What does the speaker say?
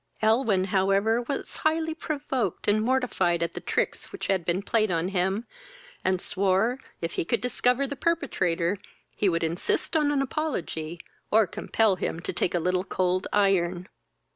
Elwyn however was highly provoked and mortified at the tricks which had been played on him, and swore, if he could discover the perpetrator, he would insist on an apology, or compel him to take a little cold iron.